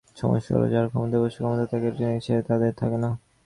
সমস্যা হলো, যারা ক্ষমতায় বসে, ক্ষমতা ত্যাগের কোনো ইচ্ছাই তাদের থাকে না।